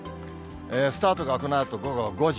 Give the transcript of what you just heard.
スタートがこのあと午後５時。